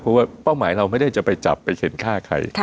เพราะว่าเป้าหมายเราไม่ได้จะไปจับไปเซ็นฆ่าใคร